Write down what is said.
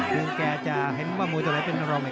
คือแกจะเห็นว่ามูลต่อไปเป็นรองเนี่ย